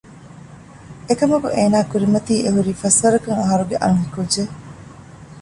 އެކަމަކު އޭނާގެ ކުރިމަތީ އެހުރީ ފަސްވަރަކަށް އަހަރުގެ އަންހެންކުއްޖެއް